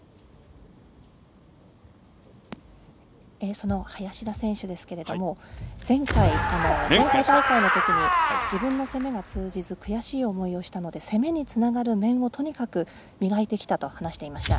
その林田選手ですが前回大会のときに自分の攻めが通じず悔しい思いをしたので攻めにつながる面をとにかく磨いてきたと話していました。